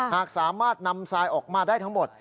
หากสามารถนำทรายออกมาได้ทั้งหมด